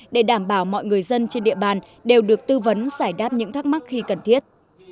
để đảm bảo mọi người dân trên địa bàn đều được tư vấn giải đáp những thắc mắc khi cần thiết